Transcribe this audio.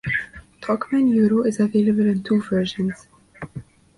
"Talkman Euro" is available in two versions.